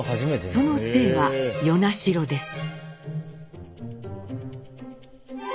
その姓は与那城です。